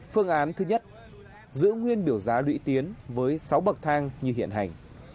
phương án thứ nhất giữ nguyên biểu giá lũy tiến với sáu bậc thang như hiện hành